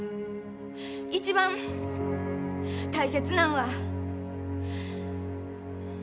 一番大切なんは。